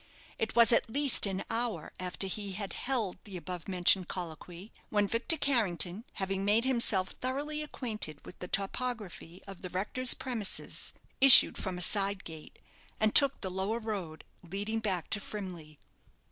It was at least an hour after he had held the above mentioned colloquy, when Victor Carrington, having made himself thoroughly acquainted with the topography of the rector's premises, issued from a side gate, and took the lower road, leading back to Frimley.